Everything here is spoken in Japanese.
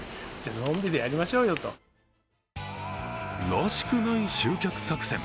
らしくない集客作戦。